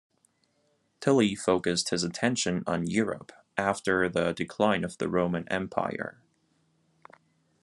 Tilly focused his attention on Europe after the decline of the Roman Empire.